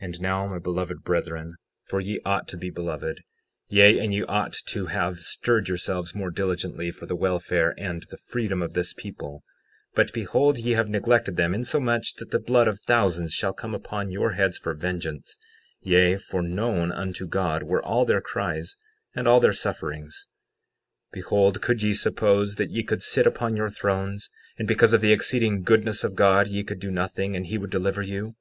60:10 And now, my beloved brethren—for ye ought to be beloved; yea, and ye ought to have stirred yourselves more diligently for the welfare and the freedom of this people; but behold, ye have neglected them insomuch that the blood of thousands shall come upon your heads for vengeance; yea, for known unto God were all their cries, and all their sufferings— 60:11 Behold, could ye suppose that ye could sit upon your thrones, and because of the exceeding goodness of God ye could do nothing and he would deliver you?